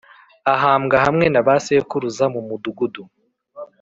Ahambwa hamwe na ba sekuruza mu mudugudu